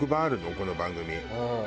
この番組。